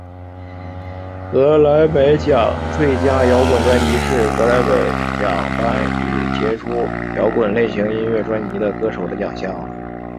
葛莱美奖最佳摇滚专辑是葛莱美奖颁予杰出摇滚类型音乐专辑的歌手的奖项。